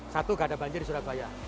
satu nggak ada banjir di surabaya